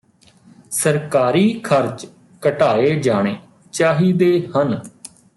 ਸਰਕਾਰੀ ਖਰਚ ਘਟਾਏ ਜਾਣੇ ਚਾਹੀਦੇ ਹਨ